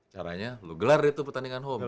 caranya lo gelar itu pertandingan home